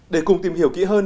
để cùng tìm hiểu kỹ hơn